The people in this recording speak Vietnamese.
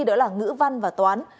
đó là ngữ văn và toán